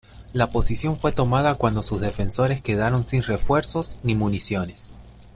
La posición fue tomada cuando sus defensores quedaron sin refuerzos ni municiones.